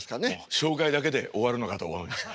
紹介だけで終わるのかと思いました。